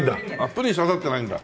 プリン挿さってないんだ。